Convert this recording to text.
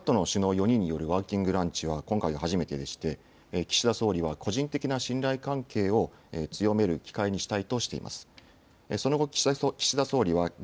クアッドの首脳４人によるワーキングランチは今回、初めてでして岸田総理は個人的な信頼関係を強める機会にしたいとしています。